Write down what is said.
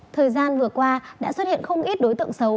thời gian vừa qua đã xuất hiện không ít đối tượng xấu